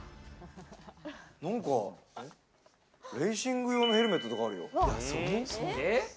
なんかレーシング用のヘルメットとかあるよ。